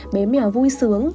bé mèo vui sướng